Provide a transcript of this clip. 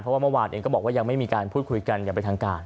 เพราะว่าเมื่อวานเองก็บอกว่ายังไม่มีการพูดคุยกันอย่างเป็นทางการ